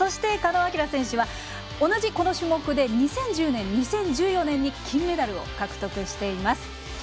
狩野亮選手は同じこの種目で２０１０年、２０１４年に金メダルを獲得しています。